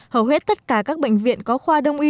hầu hết tất cả các bệnh viện có khoa đông y